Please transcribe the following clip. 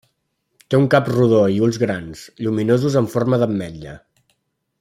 Té un cap rodó i ulls grans, lluminosos amb forma d'ametlla.